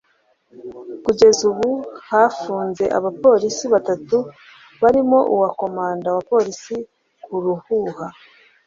Kugeza ubu hafunze abapolisi batatu barimo uwari Commandat wa Polisi ku Ruhuha